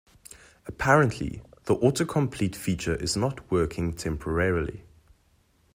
Apparently, the autocomplete feature is not working temporarily.